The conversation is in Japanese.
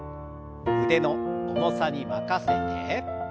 腕の重さに任せて。